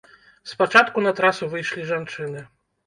Спачатку на трасу выйшлі жанчыны.